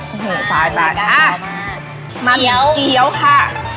โอ้โหไปไปอ่ะมันเกี๊ยวค่ะ